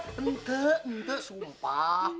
nggak nggak sumpah